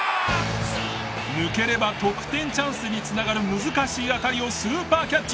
抜ければ得点チャンスに繋がる難しい当たりをスーパーキャッチ。